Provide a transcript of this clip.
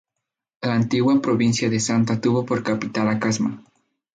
La antigua provincia de Santa tuvo por capital a Casma.